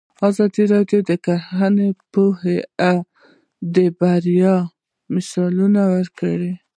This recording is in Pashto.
ازادي راډیو د کرهنه په اړه د بریاوو مثالونه ورکړي.